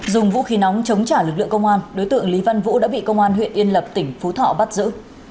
dùng vũ khí nóng chống trả lực lượng công an đối tượng lý văn vũ đã bị công an huyện yên lập tỉnh phú thọ bắt giữ